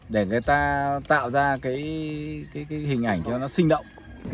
để người ta tạo ra cái hình ảnh cho nó sinh động